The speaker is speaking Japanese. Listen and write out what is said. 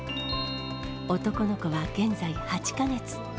男の子は現在８か月。